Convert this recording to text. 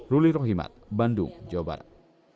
ruli rohimat bandung jawa barat